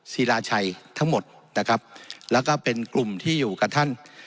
ศิราชัยทั้งหมดนะครับแล้วก็เป็นกลุ่มที่อยู่กับท่าน